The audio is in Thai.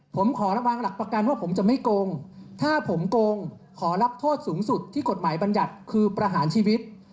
ผมขอระวังหลักประกันว่าผมจะไม่โกงถ้าผมโกงขอรับโทษสูงสุดที่กฎหมายบรรยัติคือประหารชีวิต